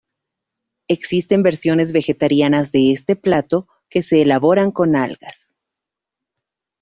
Existen versiones vegetarianas de este plato que se elaboran con algas.